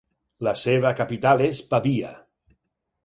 La seva capital és Pavia.